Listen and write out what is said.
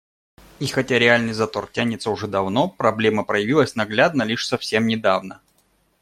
И хотя реальный затор тянется уже давно, проблема проявилась наглядно лишь совсем недавно.